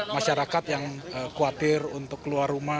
masyarakat yang khawatir untuk keluar rumah